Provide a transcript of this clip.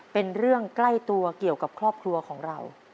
เป็นเรื่องใกล้ตัวเกี่ยวกับครอบครัวของเรา